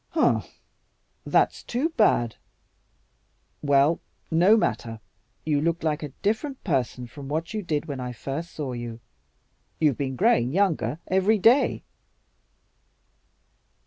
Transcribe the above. "Pshaw! That's too bad. Well, no matter, you look like a different person from what you did when I first saw you. You've been growing younger every day."